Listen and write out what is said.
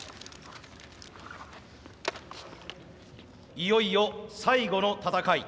いよいよ最後の戦い。